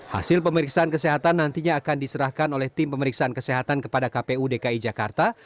hasil pemeriksaan kesehatan nantinya akan diserahkan oleh tim pemeriksaan kesehatan kepada kpu dki jakarta